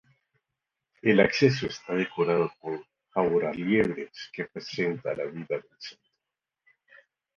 El acceso está decorado con bajorrelieves que representan la vida del santo.